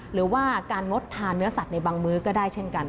หรือว่าการงดทานเนื้อสัตว์ในบางมื้อก็ได้เช่นกัน